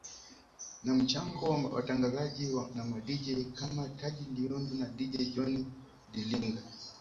Na mchango wa watangazaji na Madj kama Taji Liundi na Dj John Dilinga